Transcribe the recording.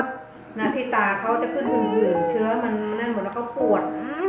ที่ตาเขาจะขึ้นถึงเหลือเชื้อมันนั่นหมดแล้วก็ปวด